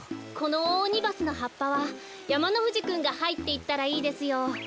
このオオオニバスのはっぱはやまのふじくんがはいっていったらいいですよ。